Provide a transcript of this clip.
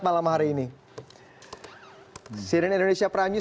sini adalah indonesia prime news